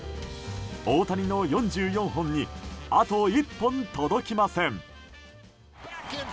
大谷の４４本にあと１本、届きません。